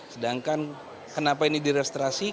sedangkan kenapa ini direstorasi